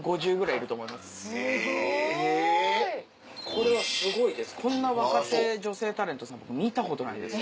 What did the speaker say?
これはすごいですこんな若手女性タレントさん見たことないです。